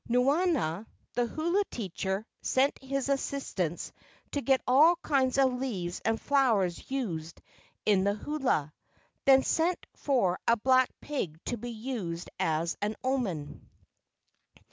Nuanua, the hula teacher, sent his assistants to get all kinds of leaves and flowers used in the KE AU NINI 205 hula, then sent for a black pig to be used as an omen.